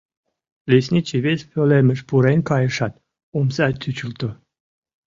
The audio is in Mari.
Лесничий вес пӧлемыш пурен кайышат, омса тӱчылтӧ.